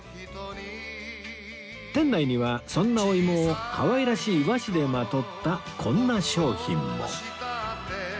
店内にはそんなお芋を可愛らしい和紙でまとったこんな商品も